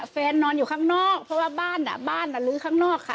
นอนอยู่ข้างนอกเพราะว่าบ้านบ้านลื้อข้างนอกค่ะ